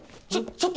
ちょっと！